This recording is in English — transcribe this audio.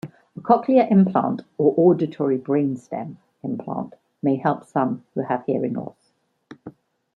A cochlear implant or auditory brainstem implant may help some who have hearing loss.